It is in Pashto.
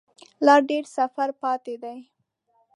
لا ډیر سفر پاته دی